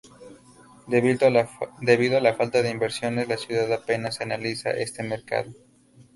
Debido a la falta de inversiones, la ciudad apenas se analiza este mercado.